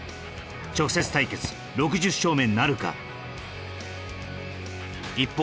直接対決６０勝目なるか一方